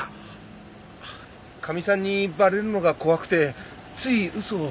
カミさんにバレるのが怖くてつい嘘を。